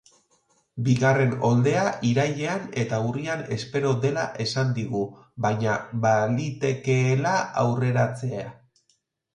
Bigarren oldea irailean eta urrian espero dela esan digu, baina balitekeela aurreratzea.